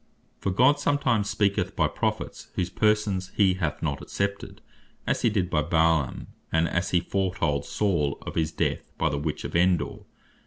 For God sometimes speaketh by Prophets, whose persons he hath not accepted; as he did by Baalam; and as he foretold Saul of his death, by the Witch of Endor.